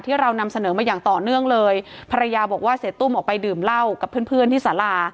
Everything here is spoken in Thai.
เรานำเสนอมาอย่างต่อเนื่องเลยภรรยาบอกว่าเสียตุ้มออกไปดื่มเหล้ากับเพื่อนเพื่อนที่สารา